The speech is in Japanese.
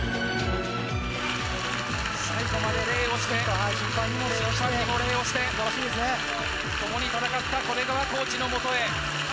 最後まで礼をして審判にも礼をしてともに戦ったコーチのもとへ。